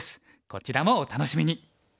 こちらもお楽しみに！